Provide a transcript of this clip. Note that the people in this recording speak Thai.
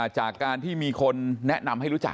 จากการที่มีคนแนะนำให้รู้จัก